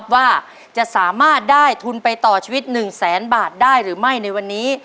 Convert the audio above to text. ว่าจะสามารถได้ทุนไปต่อชีวิต๑แสนบาทได้หรือไม่ในวันนี้